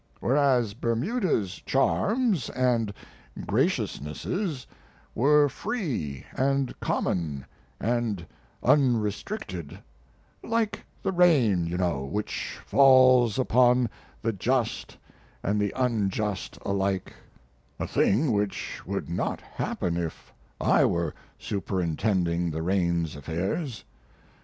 whereas Bermuda's charms and, graciousnesses were free and common and unrestricted like the rain, you know, which falls upon the just and the unjust alike; a thing which would not happen if I were superintending the rain's affairs.